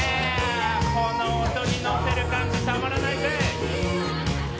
この音に乗せる感じたまらないぜ！